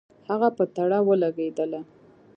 هغه په تړه ولګېدله.